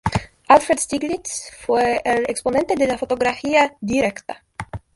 Alfred Stieglitz fue el exponente de la Fotografía directa.